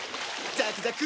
ザクザク！